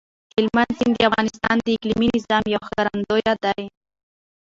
هلمند سیند د افغانستان د اقلیمي نظام یو ښکارندوی دی.